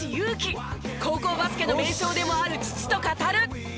高校バスケの名将でもある父と語る！